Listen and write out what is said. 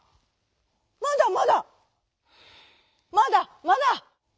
「まだまだ。まだまだ」。